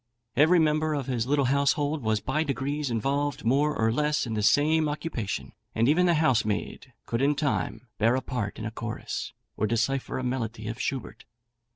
Every member of his little household was by degrees involved more or less in the same occupation, and even the housemaid could in time bear a part in a chorus, or decipher a melody of Schubert.